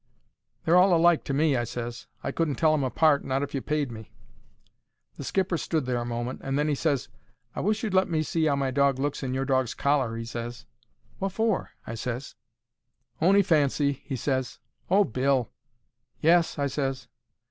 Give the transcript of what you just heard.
"They're all alike to me," I ses. "I couldn't tell 'em apart, not if you paid me." The skipper stood there a moment, and then he ses: "I wish you'd let me see 'ow my dog looks in your dog's collar," he ses. "Whaffor?" I ses. "On'y fancy," he ses. "Oh, Bill!" "Yes," I ses.